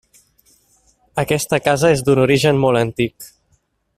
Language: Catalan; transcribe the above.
Aquesta casa és d’un origen molt antic.